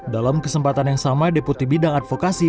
dalam kesempatan yang sama deputi bidang advokasi